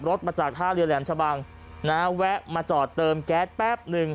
มาจากท่าเรือแหลมชะบังนะฮะแวะมาจอดเติมแก๊สแป๊บหนึ่ง